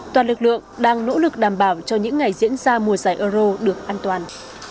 toàn lực lượng đang nỗ lực đảm bảo cho những ngày diễn ra mùa giải euro được an toàn